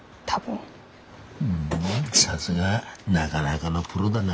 ふんさすがなかなかのプロだな。